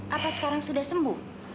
apa sekarang sudah sembuh